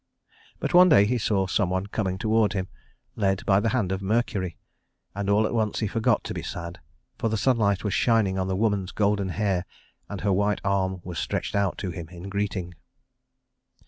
But one day he saw some one coming toward him, led by the hand of Mercury, and all at once he forgot to be sad; for the sunlight was shining on the woman's golden hair, and her white arm was stretched out to him in greeting.